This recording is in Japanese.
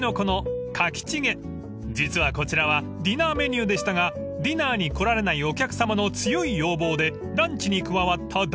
［実はこちらはディナーメニューでしたがディナーに来られないお客さまの強い要望でランチに加わった大人気メニュー］